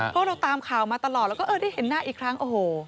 เพราะเราตามข่าวมาตลอดแล้วก็เออได้เห็นหน้าอีกครั้งโอ้โห